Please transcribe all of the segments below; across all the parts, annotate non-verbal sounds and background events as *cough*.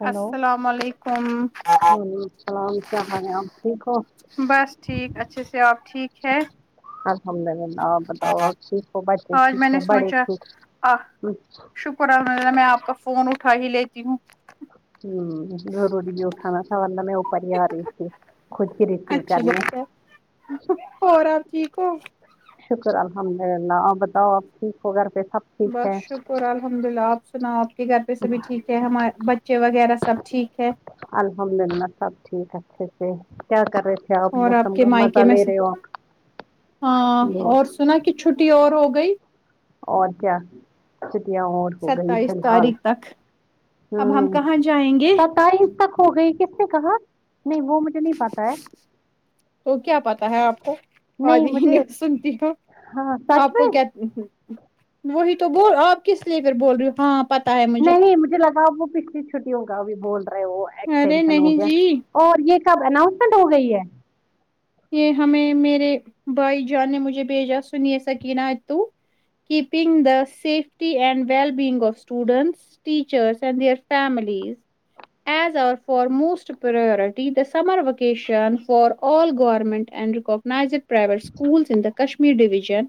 Hello السلام علیکم سلام کیا خال ہے آپ ٹھیک ہو بس ٹھیک اچھے سے آپ ٹھیک ہے ہمد بتاؤ بتاؤ اور تھیک ہو بچے آج تھیک میں ہے نے بڑے تھیک ہے الحمدلہ میں آپ کا فون اٹھا ہی لیتی ہوں ہ ضروری بھی اٹھاا سواللہ میں اپ ہی آ رہی خود ہی ریسیو اچھی کرنے بات ہے اور آپ ٹھیک ہو شکر الحمد للہ آپ بتاؤ آپ ٹھیک ہو گھر پے سب ٹھیک بس ہے شکر الحمد للہ آپ سنا آپ کے گھر پہ سبھی ٹھیک ہے ہم بچے وغیرہ سب ٹھیک ہے الحمد للہ سب ٹھیک اچھے سے کیا کر رہے تھے کیا آپ اور موسم کے کا مائکے مزہ میں لے رہے سب؟ ہو آپ ہاں اور ب سنا کی چھٹی اور ہو گئی اور کیا چھٹیاں اور ہو گئی فی ستائیس الحال تاریخ تک اب ہم ہوں کہاں جائیں گے ستاوی تک ہو گئی کس نے کہا نہیں وہ مجھے نہیں پتہ ہے تو کیا پتا ہے آپ کو آادی ہی نہیں سنتی ہ ہاں سچ آپ کو میں کیا وہی تو بول آپ کس لیے پھر بول رہی ہو ہاں پتا ہے نہیں مجھے لگا اب وہ پچھلی چھٹی ہوںگا ابھی بول رہے وہ ارے ایکسٹینشن ہو نہیں گیا جی اور یہ کب اناؤنسمنٹ ہو گئی ہے یہ ہمیں میرے بھائی جان نے مجھے بھیجا سنیے سکن ہے تو keeping the safety and well big of students teachers and their families as our foremost priority the summer vacation for all گ government and recognised private school in the Kashmir division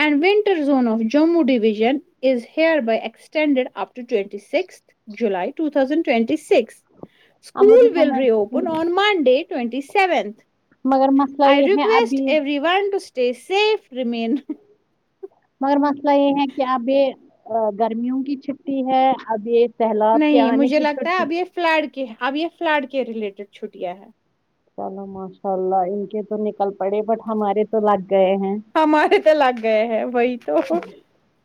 and winter zone of Jammu division is hereby standard up to twenty six July two thousand twenty six اب school مجھے ول سمجھ reopen on Monday to seventh مگر مسئلہ آئی یہ ہے request ابھی everyone to stay safe remain مگر مسئلہ یہ ہے کہ اب یہ گرمیوں کی چھٹی ہے اب یہ سیلاب کے آنے کی چھٹی فلیڈ کے اب یہ فلڈ کے ریلیٹڈ چھٹیاں ہیں چلو ماشاء اللہ ان کے تو نکل پڑے بٹ ہمارے تو لگ گئے ہیں ہمارے تو لگ گئے ہیں وہی تو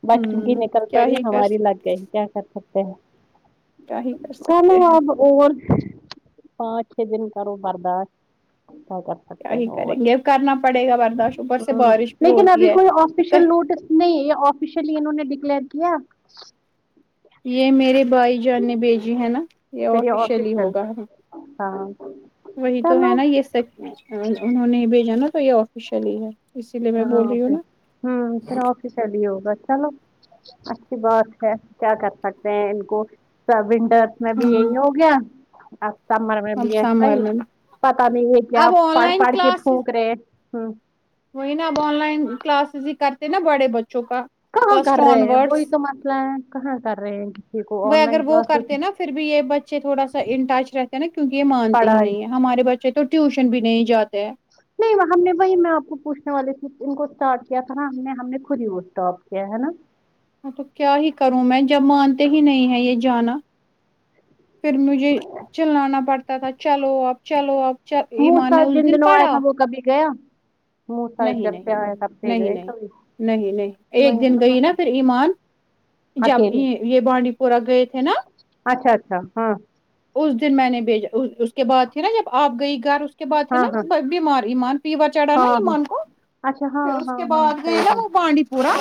بچوں کی نکل کیا پڑی ہی کر ہماری سک لگ کیا کر سکتے ہیں کیا ہی کر کون سکتے ہو ہیں آپ اور پانچ چھ دن کرو برداشت کر اور کیا ہی ہو ہ کریں گے کرنا پڑے گا برداشت اوپر سے بارش بھی لیکن ابھی ہوتی ہے کوئی او یشل نوٹس نہیں آفیشلی انہوں نے ڈکلیئر کیا یہ میرے بھائی جان نے بھیجی ہے نا یہ پھر آفیشیلی آفیشل ہوگا ہم ہاں وہی تو ہے چلو نا یہ سچ مچ انہوں نے ہی بھیجا نا تو یہ آفیشلی ہے اسی لیے میں بول رہی ہوں نا چلی ہوگا چلو اچھی بات ہے کیا کر سکتے ہیں ان کو سوڈر میں بھی ہاں یہی ہو گیا آ سمر میں اب بھی ایسا سمر ہی میں پتا نہیں ہے کیا اب آن پڑھ لائن پڑھ کے پونک رہے ہیں وہ ہی نا اب آن لائن کلاسز ہی کرتے نا بڑے بچوں کا کہاں فرسٹ کر آن رہے ہیں ورڈس وہی تو مسئلہ ہے کہاں کر رہے ہیں کسی کو وہ آن لائن اگر وہ کلاسز کرتے ہیں نا پھر بھی یہ بچے تھوڑا سا ان ٹچ رہتے ہیں نا کیونکہ یہ مانتے ہی پڑھائی نہیں ہے ہمارے بچے تو ٹیوشن بھی نہیں جاتے ہیں سلپ ہم نے وہی میں آپ کو پوچنے والے تھی ان کو اسٹارٹ کیا تھا نا ہم نے ہم نے خود ہی وہ اسٹاپ کیا ہے نا تو کیا ہی کروں میں جب مانتے ہی نہیں ہے یہ جانا پھر مجھے چلانا پڑتا تھا چلو اب چلو اب چ ایمان موسا نے اس جن دن دنوں آیا پڑھا تھا وہ کبھی گیا موسا نہیں جب سے نہیں نہیں آیا تب سے نہیں گئے نہیں کبھی نہیں نہیں وہی ایک ہے دن گئی نا مسئلہ. پھر ایمان جب اکیلے یہ یہ بانڈی پورہ گئے تھے نا اچھا اچھا ہاں اس دن میں نے بھیجا اس کے بعد تھی نا جب آپ گئی گھر کے بات ہے ہاں نا ہاں بس بیمار ایمان فیور چڑھا نا ہاں ہاں ایمان کو اچھا ہاں پھر اس ہاں کے ہاں بعد گئے صحیح نا بات وہ بانڈی پورا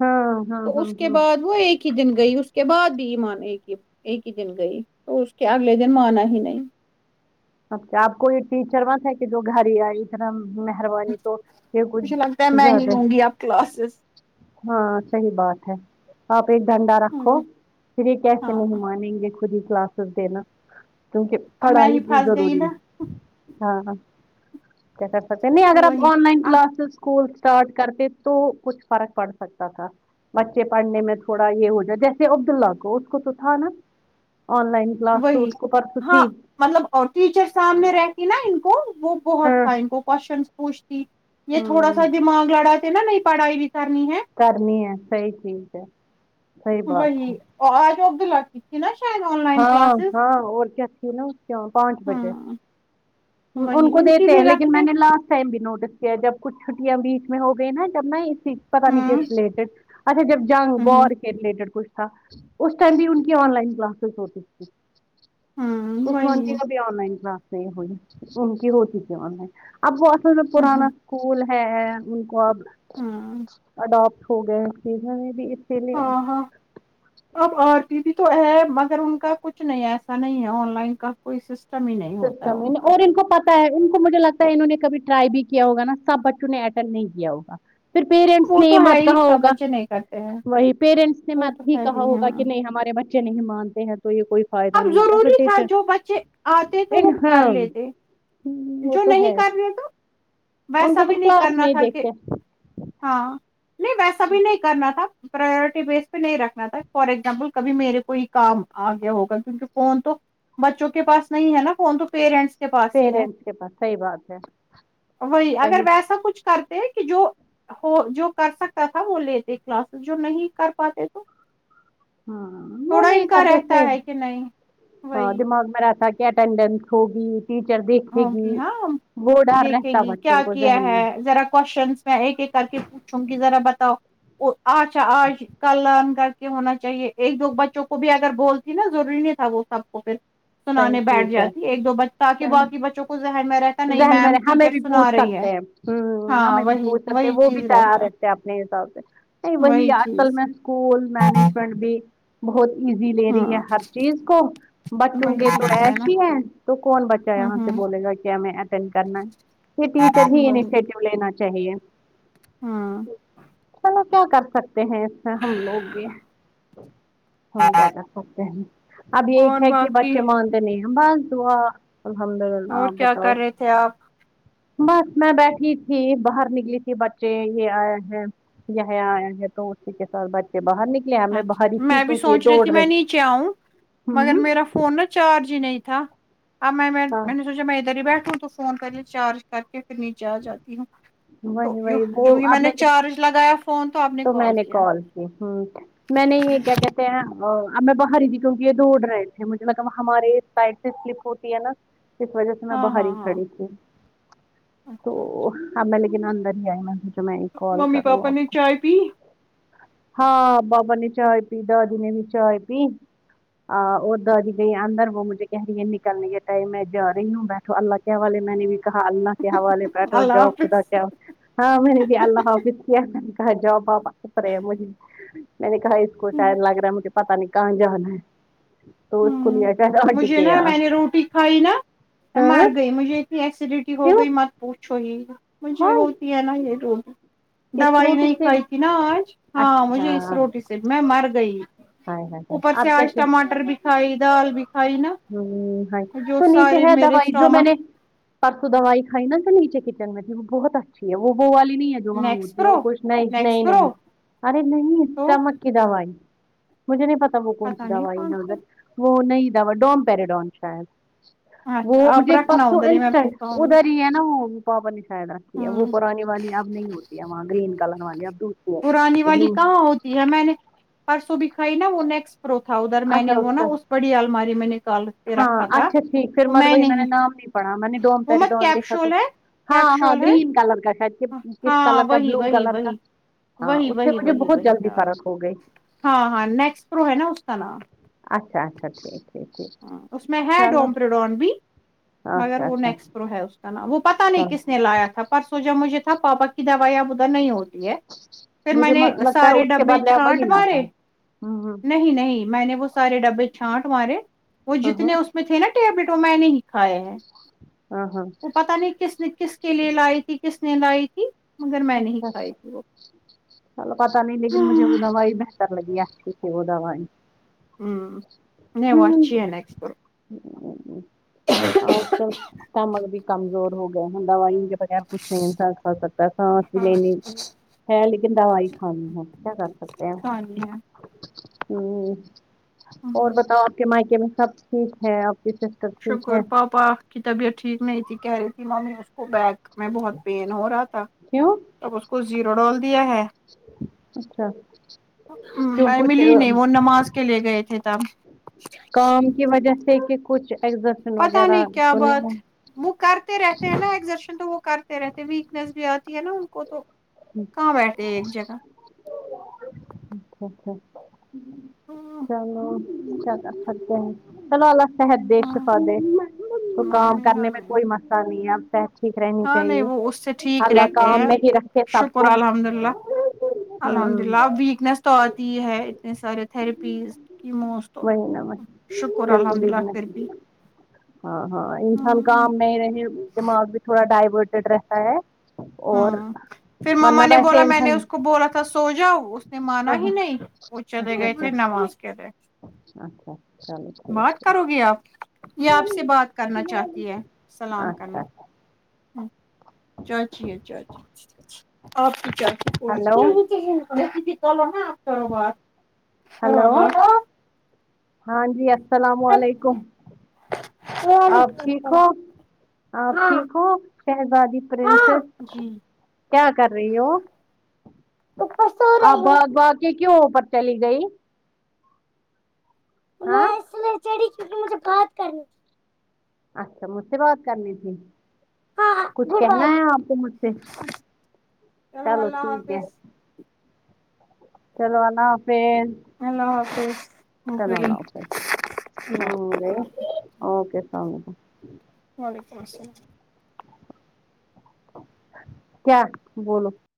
ہاں ہاں تو ہاں اس کے ہاں بعد وہ ایک ایک ہی دن گئی اس کے بعد بھی یہ مان ایک ہی دن گئی تو اس کے اگلے دن مانا ہی نہیں اچھا آپ کو یہ ٹیچر مت ہے کہ جو گھر ہی آئی رحم مہربانی تو یہ کچھ مجھے لگتا ہے میں زیادہ لوں ہی گی اب کلاسز ہاں صحیح بات ہے آپ ایک دھنڈا ہ رکھو پھر یہ کیسے ہاں نہیں مانیں گے خود ہی کلاسز دینا کیونکہ اب میں پڑھائی ہی بھی پھنس گئی نا ضروری ہے ہاں کیا کر سکتے نہیں اگر آپ وہی آن لائن آ، کلاسز اسکول اسٹارٹ کرتے تو کچھ فرق پڑ سکتا تھا بچے پڑھنے میں تھوڑا یہ ہو جائے جیسے عبد اللہ کو اس کو تو تھا نا آن لائن کلاس تو وہی اس کو پرسوں ہاں تھی مطلب اور ٹیچر سامنے رہتی نا ان کو وہ بہت ہاں تھا ان کو کوشچن پوھتی یہ تھوڑا ہوں سا دماغ لڑا سے نہ نہیں پڑھائی بھی کرنی ہے کرنی ہے صحیح چیز ہے صحیح بات وہی ہے آج وہ دلاات تھی نا شاید لائن ہاں کلاسز ہاں اور کیاھی نا کی پانچ بجے ہوں ان وہی کو کی دیتے ہیں بھی لیکن رکھتے میں نے لاسٹ بھی نوٹس کیا جب کچھ چھٹیاں بیچ میں ہو گئی نا جب ن اس چیز پتہ نہیں ہوں ریلیٹڈ اچھا جب جنگ ہوں وار کے ریلیٹڈ کچھ تھا اس ٹائم بھی ان کی آن لائن کلاسز ہوتی تھی ہوں اسمان وہی کی کبھی آن لائن کلاس نہیں ہوئی ان کی ہو چییں آن لائن اب وہ اصل میں ہوں پرانا ہوں اسکول ہے ان کو اب اڈپٹ ہو گیا چز میں بھی اس پ لیے ہاں ہاں اب آر پی بھی تو ہے مگر ان کا کچھ نہیں ایسا نہیں ہے آن لائن کا کوئی سس سسٹم اور ان کو پتا ان کو مجھے لگتا ہے انہوں کبھی ٹرائی بھی کیا ہوگ نا سب بچوں نے اٹینڈ نہیں کیا ہوگا پھر پیرنٹس وہ نے یہ تو ہے مت ہی کہا سب ہوگا بچے نہیں کرتے ہیں وہی پیرنٹس نے وہ تو مت ہی ہے کہا ہوگا ہاں کہ نہیں ہمارے بچے چے نہیں مانتے ہیں تو یہ کوئی فائد اب نہیں ہوتا پھر ضروری تھا ٹیچرز جو بچے آتے تو وہ کر لیتے وہ جو تو نہیں ہے کر رہ تو ان ویسا کو بھی پھر نہیں کلاس کرنا میں ہی تھا کہ دیکھتے ہاں نہیں ویسا بھی نہیں کرنا تھا پراورٹی بیس پہ نہیں رکھنا تھا فور ایگزامپل کبھی میرے کوئی کام آ گیا ہوگا کیونکہ فون تو بچوں کے پاس نہیں ہے نا فون تو پیرنٹس کے پاس ہی ہے پیرنٹس کے پاس صحیح بات ہے وہی اگر صحیح ویسا کچھ کر کہ جو ہو جو کر سکتا تھا وہ لیتے کلاسز جو نہیں کر پاتے تو ہاں وہ تھوڑا نہیں ان کا کرتے رہتا صحب ہے کہ نہیں ہاں وہی دماغ ما رہتا کی کی اٹینڈینس ہوگی ٹیچر دیکھے گی ہوگی ہاں وہ ڈر دیکھے رہتا گی کیا بچوں کو کیا ذہن میں ہے ذرا کوشن میں ایک ایک کر کے پوچھوں گ ذرا بتاؤ آھا آج کل کر ہونا چاہیے ایک دو بچوں کو بھی اگر بولتی نا ضروری نہیں تھا وہ سب پھر صحیح سنانے بیٹھ چیز ہے جاتی ایک دو بچ تہ کے صحیح بعد ذہن میں ہمیں بھی پوچھ سنا رہی ہے سکتے ہیں ہ ہاں ہمیں بھی وہی پوچھ سکتے ہیں وہی وہ بھی چیز تیار رہتا ہے اپنے حساب سے نہیں وہی آج کل میں اسکول مینجمنٹ بھی بہت ایزی لے رہی ہے ہاں ہر چیز کو بچ وہی یہ تو چیز نا ایسی ہی ہے تو کون بچہ یہاں سے ہ بولے گا کیا ہمیں اٹینڈ کرنا ہے یہ ٹیچر ہ ہی وہی اشٹو لینا چاہیے ہاں چلو کیا کر سکتے ہیں اس میں ہم لوگ بھی ہم کیا کر سکتے ہیں اب یہ اور ہے کہ باقی بچے مانتے نہیں ہیں بس دوا الحمد للہ اور آپ کیا بتاؤ کر رہے تھے آپ بس میں بیٹھی تھی باہر نکلی تھی بچے یہ آئے ہیں یہ آیا ہے تو اسی کے ساتھ بچے باہر نکل اچھا میں بھی سوچ رہی تھی میں نیچے آؤں مگر ہوں میرا فون نا چارج ہی نہیں تھا اب میں میں ہاں نے سوچا میں ادھر ہی بیٹھوں تو فون کر لے چارج کر کے پھر نیچے آ جاتی ہوں تو وہی یو وہی وہ جوں ہی میں اب نے چارج لگایا فون تو اب تو میں نے کال کی ہوں میں نے یہ کیا کیا ا اب میں باہر ہی تھی کیونکہ یہ دوڑ رہے تھے مجھے مطلب ہمارے سائڈ سے سلپ ہوتی ہے نا اس وجہ سے میں ہاں باہر ہاں ہی ہاں کھڑی تھی تو اچھا اب میں لیکن اندر ہی آئی میں نے سوچا میں ایک کال کروں آپ کو رپی ہاں بابا نے چائے پی دادی نے بھی چائے پی ا اور دادی گئی ہے اندر وہ مجھے کہہ رہی ہے نکلنی کے ٹائم ہے جارہی ہوں میں تو اللہ کے حوالے میں نے بھی کہا اللہ کے حوالے بیٹھو اللہ جاؤ خدا حافظ کیا ہاں میں نے بھی اللہ حافظ کیا تھا کہا جاؤ *unintelligible* میں نے کہا اس کو شاید لگ رہا ہے مجھے پتا نہیں کہاں جانا ہے تو اس کو ہوں لیا شاید آنٹی مجھے کے نا یہاں میں نے روٹی کھائی نا مر ہاں گئی مجھے یہ ایسیڈیٹی ہو کیوں گئی مت پوچھو ہی مجھے ہائے ہوتی ہے نا یہ رو اس دوائی روٹی نہیں سے کھائی تھی نا آج ہاں اچھا مجھے اس روٹی سے میں مرگئی ہائے ہائے ہائے اوپر سے آپ کیا آج کیا ٹماٹر بھی کھائی دال بھی کھائی نا ہوں ہے جو تو نیچے سارے ہے میرے دوائی جو میں اسٹامک نے پرسوں دوائی کھائی نا جو نیچے کچن میں تھی وہ بہت اچھی ہے وہ والی نہیں ہے جو وہاں نیکس ہوتی ہے پرو وہ کچھ نہیں نیکس نہیں نہیں پرو ارے نہیں تو سٹامک کی دوائی مجھے نہیں پتا وہ کون سی نہیں دوائی کون ہے سے ادھر وہ نئی دوا ڈوم پیراڈون شاید وہ اچھا آپ مجھے رکھنا پرسوں ادھر ہی میں پی انسٹنٹ پاؤں گی ادھر ہی ہے نا وہ پاپا نے شاید رکھتی ہے وہ ہوں پرانی والی اب نہیں ہوتی ہے وہاں گرین کلر والی اب دو پرانی والی کہاں ہوتی ہے میں نے پرسوں بھی کھائی نا وہ نیکس پرو تھا ادھر میں نے اچھا وہ نا کا اس پڑی الماری میں نکال ہاں رکھا تھا اچھا ٹھیک پھر وہ مت وہی میں نے نہیں نام نہیں پڑا میں نے ڈوم وہ مت پیریڈون دیکھا تو کیپشول ہے ہاں ہاں کیپشول ہے گرین کلر کا شاید کہ بسکٹ ہاں کلر کا وہی بلو وہی کلر کا وہی ہاں وہی اس سے وہی مجھے وہی بہت وہی جلدی ہاں فرق ہو گئی ہاں ہاں نیکس پرو ہے نا اس کا نام اچھا اچھا ٹھیک ٹھیک ٹھیک ہاں اس میں ہے چلو ڈوم پیرے ڈون بھی مگر اچھا وہ اچھا نیکس پرو ہے اس کا نام وہ پتا نہیں کس چلو نے لایا تھا پر سوچا مجھے تھا پاپا کی دوائی اب ادھر نہیں ہوگی پھر میں مجھے نے لگتا ہے سارے اس کے ڈبے بعد ل وہی چھانٹ لاتا مارے ہے ہوں ہوں نہیں نہیں میں نے وہ سارے ڈبے چھانٹ مارے وہ ہاں جتنے ہاں اس میں تھے نا ٹیبلیٹ وہ میں نے ہی کھائے ہیں ہاں ہاں وہ پتہ نہیں کس نے کس کے لیے لائی تھی کس نے لائی تھی مگر میں نہیں اچھا کھائی اچھا تھی وہ چلو پتہ نہیں لیکن مجھے وہ دوائی میں پر لگیا اچھی تھی وہ دوائی ہوں نہیں وہ اچھی ہے نیکس پرو ہ آج کل کامل بھی کمزور ہو گئے ہیں دوائیوں کے بغیر کچھ نہیں انسان ہو سکتا سانس بھی نہیں لے ہے لیکن دوائی کھانی ہے کیا کر سکتے ہیں آسانی ہے ہوں اور بتاؤ آپ کے مائکے میں سب ٹھیک ہے آپ ٹھیک ہیں شکر پا پا کی طبیعت ٹھیک نہیں تھی کہہ رہی تھی ممی اس کو بیک میں بہت پین ہو رہا تھا کیوں اب اس کو زیرو ڈال دیا ہے *unintelligible* اچھا کیوں میں کچھ ملی نہیں وہ نماز کے لیے گئے تھے تب کام کی وجہ سے کہ کچھ ایگزرشن پتا وغیرہ نہیں کیا تو نہیں بات ہے وہ کرتے رہتے ہیں نا ایکزرشن تو وہ کرتے رہتے ویکنیس بھی آتی ہے نا ان کو تو اچھا کہاں بیٹھتے ایک جگہ ا *unintelligible* چلو اچھے ہیں چلو اللہ صحت دے ہاں شفا دے تو کام آمین کرنے میں آمین کوئی مسئلہ نہیں ہے ٹھیک رہنی ہاں نہیں چاہیے وہ اس سے ٹھیک اللہ رہتے کام ہیں میں ہی رکھے سب شکر کو الحمد اللہ الحمد ہوں اللہ ویکنیس تو آتی ہے اتنے سارے تھراپیز کی موسٹ *unintelligible* وہی نہ وہی پھر تو پھر ہاں ہاں انسان بھی کام نہیں رہے دماغ بھی تھوڑا ڈائوٹیڈ رہتا ہے اور ہوں پھر ورنہ مما نے بولا ویسے میں نے انسان اس کو بولا سو جاوہ اس نے مانا ہاں ہی ہاں نہیں وہ چلے اچھا گئے اچھا تھے نماز کے لے اچھا چلو ٹھیک ہے کرو گی آپ یہ آپ سے بات کرنا چاہتی ہے اسلام اچھا کرنا اچھا چاچی ہے چاچی آپ کی چاچی کونسی ہلو چلو نا آپ کرو بات کرو ہیلو بات ہاں جی اسلام علیکم آپ ٹھیک ہو آپ ٹھیک ہو شہزادی پرنسس جی کیا کر رہی ہو اوپر سو آپ رہی ہوں بھگ بھگ کے کیوں اوپر چلی گئی ہاں میں اس لیے چڑھی کیونکہ مجھے بات کرنی تھی اچھا مجھ سے بات کرنی تھی تھی ہاں کچھ گڈ کہنا بائی ہے آپ کو مجھ سے چلو اللہ ٹھیک ہے حافظ چلو اللہ حافظ اللہ حافظ ہو چلو اللہ گئی حافظ ہوں گی اوکے اسلام علیکم وعلیکم اسلام کیا بولو